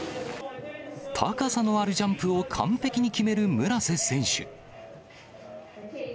高さのあるジャンプを完璧に決める村瀬選手。